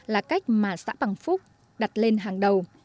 là cách mà xã bằng phúc đặt lên hàng đầu